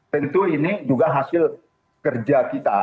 tentu ini juga hasil kerja kita